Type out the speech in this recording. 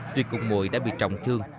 tuy cùng mội đã bị trọng thương